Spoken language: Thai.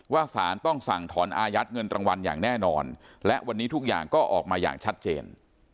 สารต้องสั่งถอนอายัดเงินรางวัลอย่างแน่นอนและวันนี้ทุกอย่างก็ออกมาอย่างชัดเจน